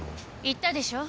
言ったでしょ。